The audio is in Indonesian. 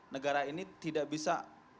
negara ini tidak bisa